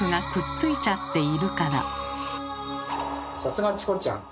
さすがチコちゃん！